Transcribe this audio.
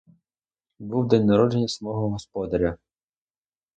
Був день народження самого господаря.